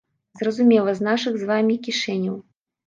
Зразумела, з нашых з вамі кішэняў.